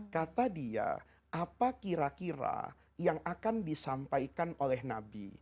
kata dia apa kira kira yang akan disampaikan oleh nabi